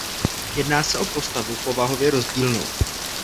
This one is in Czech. Jedná se o postavu povahově rozdílnou.